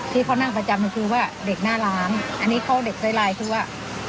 ที่เขานั่งประจำคือว่าเด็กหน้าร้านอันนี้เขาเด็กไซไลน์คือว่า